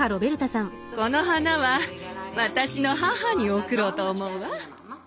この花は私の母に贈ろうと思うわ。